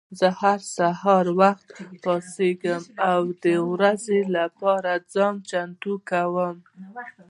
زه هر سهار وختي پاڅېږم او د ورځې لپاره ځان چمتو کوم.